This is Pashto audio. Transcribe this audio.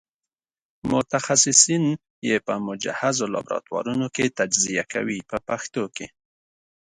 متخصصین یې په مجهزو لابراتوارونو کې تجزیه کوي په پښتو کې.